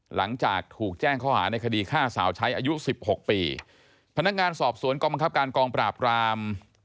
หลังจากถูกแจ้งข้อหาในคดีฆ่าสาวใช้อายุสิบหกปีพนักงานสอบสวนกองบังคับการกองปราบราม